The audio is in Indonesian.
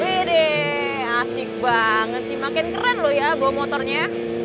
hede asik banget sih makin keren loh ya bawa motornya